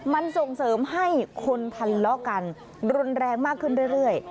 มันส่งเสริมให้คนทะเลาะกันรุนแรงมากขึ้นเรื่อย